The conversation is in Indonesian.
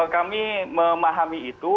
kami memahami itu